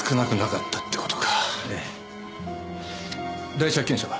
第一発見者は？